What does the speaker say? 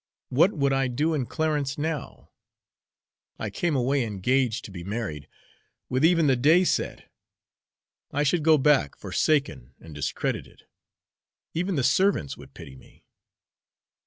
What would I do in Clarence now? I came away engaged to be married, with even the day set; I should go back forsaken and discredited; even the servants would pity me."